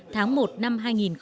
tháng một năm hai nghìn một mươi bảy